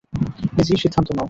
নিজেই সিদ্ধান্ত নাও।